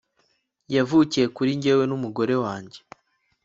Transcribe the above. yavukiye kuri njyewe numugore wanjye